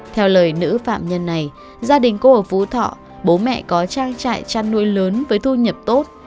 theo lời nữ phạm nhân này gia đình cô ở phú thọ bố mẹ có trang trại chăn nuôi lớn với thu nhập tốt